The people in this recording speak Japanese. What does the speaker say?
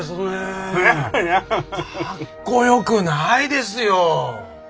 かっこよくないですよ！